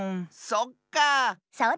そっかあ。